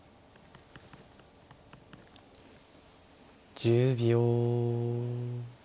１０秒。